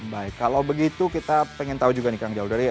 baik kalau begitu kita pengen tahu juga nih kang jaludari